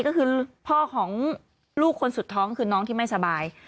ก็คือพ่อของลูกคนสุดท้องคือน้องที่ไม่สบาย